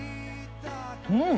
うん！